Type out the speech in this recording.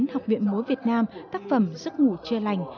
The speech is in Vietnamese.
hẹn gặp lại